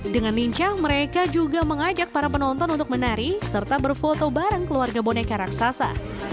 dengan lincah mereka juga mengajak para penonton untuk menari serta berfoto bareng keluarga boneka raksasa